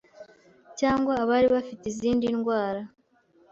cyangwa abari bafite izindi ndwara.